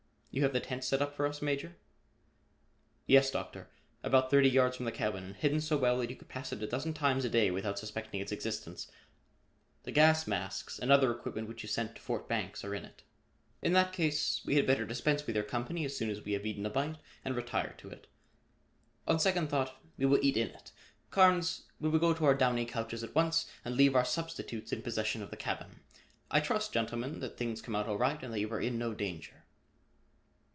You have the tent set up for us, Major?" "Yes, Doctor, about thirty yards from the cabin and hidden so well that you could pass it a dozen times a day without suspecting its existence. The gas masks and other equipment which you sent to Fort Banks are in it." "In that case we had better dispense with your company as soon as we have eaten a bite, and retire to it. On second thought, we will eat in it. Carnes, we will go to our downy couches at once and leave our substitutes in possession of the cabin. I trust, gentlemen, that things come out all right and that you are in no danger."